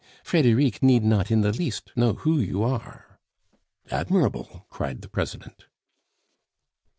Frederic need not in the least know who you are." "Admirable!" cried the President.